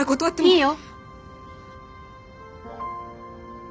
いいよ。